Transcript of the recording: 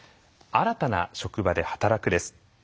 「新たな職場で働く」です。